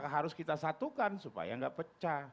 harus kita satukan supaya nggak pecah